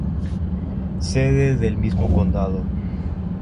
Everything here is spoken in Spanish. Sede del mismo condado.